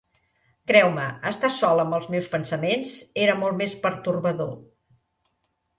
Creu-me, estar sol amb els meus pensaments era molt més pertorbador.